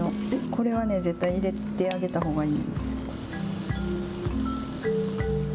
これはね、絶対入れてあげたほうがいいんですよ。